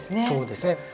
そうですね。